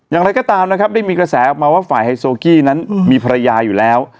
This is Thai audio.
อย่างไรก็ตามนะครับได้มีกระแสออกมาว่าฝ่ายไฮโซกี้นั้นมีภรรยาอยู่แล้ว